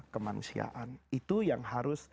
kemanusiaan itu yang harus